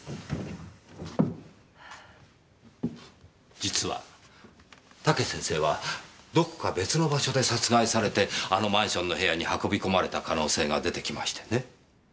実は武先生はどこか別の場所で殺害されてあのマンションの部屋に運びこまれた可能性が出てきましてね。